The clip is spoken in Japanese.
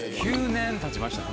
９年たちました。